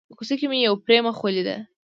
په کوڅه کې مې یوې پري مخې ولیده.